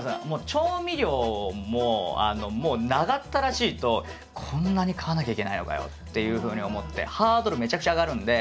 調味料ももう長ったらしいとこんなに買わなきゃいけないのかよっていうふうに思ってハードルめちゃくちゃ上がるんで。